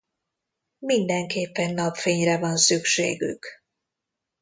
Mindenképpen napfényre van szükségük.